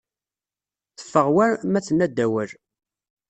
Teffeɣ war ma tenna-d awal.